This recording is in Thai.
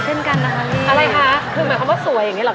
เช่นกันนะคะอะไรคะคือหมายความว่าสวยอย่างเงี้หรอ